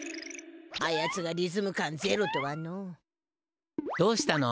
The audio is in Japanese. あやつがリズム感ゼロとはのう。どうしたの？